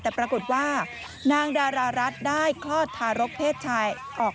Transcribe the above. แต่ปรากฏว่านางดารารัฐได้คลอดทารกเพศชายออก